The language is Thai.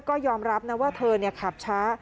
ก็ยอมรับนะว่าเธอขับช้า